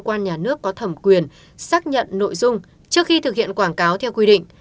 cơ quan nhà nước có thẩm quyền xác nhận nội dung trước khi thực hiện quảng cáo theo quy định